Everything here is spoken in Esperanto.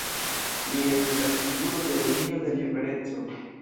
Li estis aktivulo de Unio de Libereco.